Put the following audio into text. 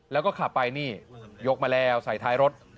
แล้วก็ขับไปนี่ยกมาแล้วใส่ท้ายรถ